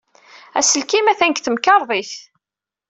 Aselkim atan deg temkarḍit.